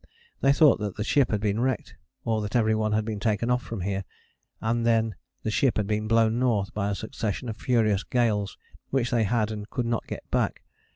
They thought that the ship had been wrecked or that every one had been taken off from here, and that then the ship had been blown north by a succession of furious gales which they had and could not get back.